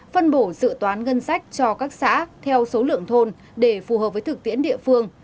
phân bổ dự toán ngân sách cho các xã theo số lượng thôn để phù hợp với thực tiễn địa phương